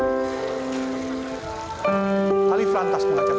alif dan aldi anak anak yang dianggap sebagai anak teroris